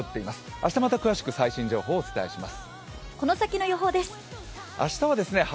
明日、また詳しく最新情報をお伝えします。